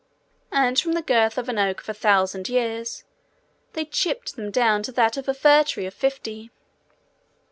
And from the girth of an oak of a thousand years, they chipped them down to that of a fir tree of fifty.